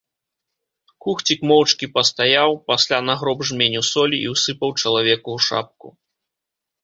Кухцік моўчкі пастаяў, пасля нагроб жменю солі і ўсыпаў чалавеку ў шапку.